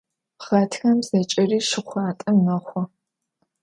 Ğatxem zeç'eri şşxhuant'e mexhu.